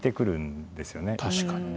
確かにね。